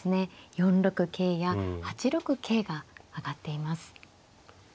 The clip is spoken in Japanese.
４六桂や８六桂が挙がっています。